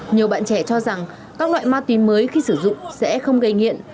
nhiều bạn trẻ cho rằng các loại ma túy mới khi sử dụng sẽ không gây nghiện